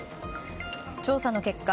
調査の結果